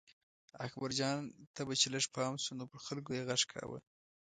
اکبرجان ته به چې لږ پام شو نو پر خلکو یې غږ کاوه.